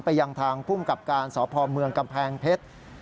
ยังทางภูมิกับการสพเมืองกำแพงเพชร